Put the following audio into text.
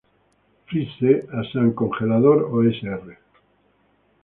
Freeze" a "Sr. Congelador" o "Sr.